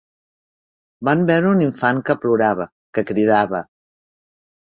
Van veure un infant que plorava, que cridava